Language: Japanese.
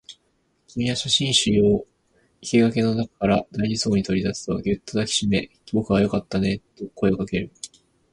君は写真集を生垣の中から大事そうに取り出すと、ぎゅっと抱きしめ、僕はよかったねと声をかける